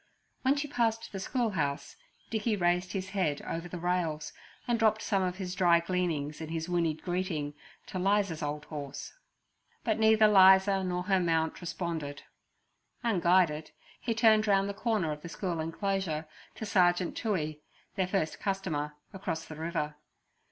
When she passed the schoolhouse, Dickey raised his head over the rails and dropped some of his dry gleanings in his whinnied greeting to 'Liza's old horse. But neither 'Liza nor her mount responded. Unguided, he turned round the corner of the school enclosure, to Sergeant Toohey, their first customer, across the river.